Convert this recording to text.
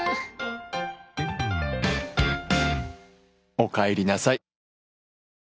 おかえりなさい。